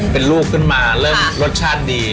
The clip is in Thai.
เป็นลูกขึ้นมาเริ่มรสชาติดี